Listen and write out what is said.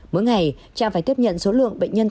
mỗi ngày cha phải tiếp nhận số lượng bệnh nhân